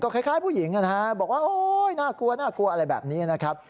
คล้ายผู้หญิงนะฮะบอกว่าโอ๊ยน่ากลัวน่ากลัวอะไรแบบนี้นะครับ